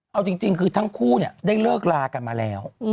เอาจริงคือทั้งคู่เนี่ยได้เลิกลากันมาแล้ว